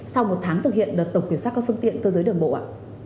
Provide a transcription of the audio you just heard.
sau một tháng thực hiện đợt tổng kiểm soát các phương tiện cơ giới đường bộ ạ